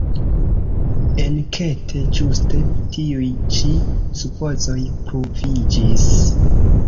Enkete ĝuste tiuj ĉi supozoj pruviĝis.